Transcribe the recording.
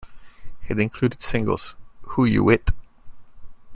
It included singles Who U Wit?